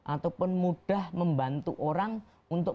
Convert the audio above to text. ataupun mudah membantu orang untuk